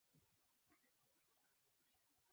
Alilelewa na mwanahabari Juma